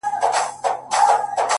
ما په لفظو کي بند پر بند ونغاړه؛